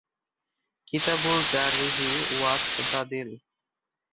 কিতাবুল জারহি ওয়াত তা'দীল